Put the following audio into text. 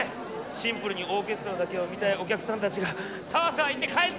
シンプルにオーケストラだけを見たいお客さんたちがさわさわ言って帰ってる！